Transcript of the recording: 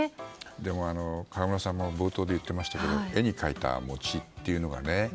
でも、河村さんも冒頭で言ってましたけど絵に描いた餅っていうのがね